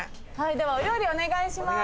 ではお料理お願いします。